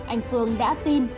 anh phương đã tin